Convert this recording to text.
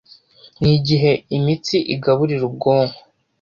ni igihe imitsi igaburira ubwonko